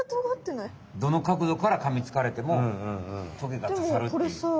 どのかくどからかみつかれてもトゲがささるっていう。